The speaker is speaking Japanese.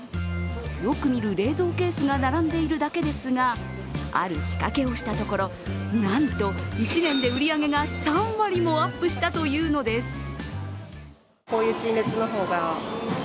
よく見る冷蔵ケースが並んでいるだけですがある仕掛けをしたところなんと１年で売り上げが３割もアップしたというのです。